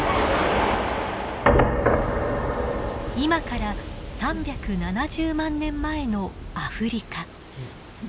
今から３７０万年前のアフリカ。